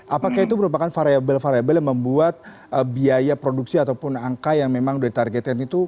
apakah itu merupakan variable variable yang membuat biaya produksi ataupun angka yang memang sudah ditargetkan itu